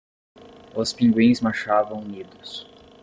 Os pinguins marchavam unidos